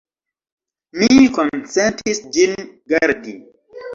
Mi konsentis ĝin gardi.